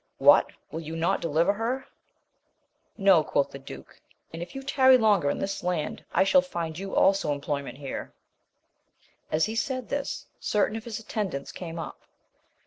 What ! will you not deliver her? No, quoth the duke, and if you tarry longer in this land I shall find you also employ ment here I As he said this, certain of his attendants came up.